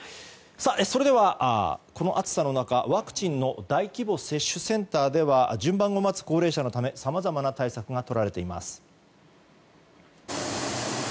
それでは、この暑さの中ワクチンの大規模接種センターでは順番を待つ高齢者のためさまざまな対策がとられています。